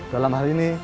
dalam hal ini